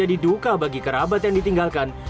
menjadi duka bagi kerabat yang ditinggalkan